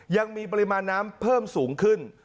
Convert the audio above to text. ยังมีปริมาณน้ำเพิ่มสูงขึ้น